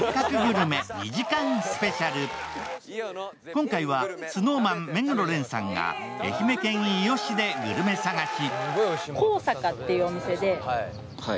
今回はＳｎｏｗＭａｎ・目黒蓮さんが愛媛県伊予市でグルメ探し。